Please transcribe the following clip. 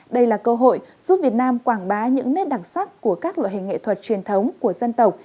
đây là cơ hội giúp việt nam quảng bá những nét đặc sắc của các loại hình nghệ thuật truyền thống của dân tộc